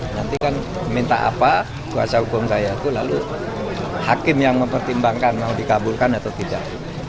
nanti kan minta apa kuasa hukum saya itu lalu hakim yang mempertimbangkan mau dikabulkan atau tidak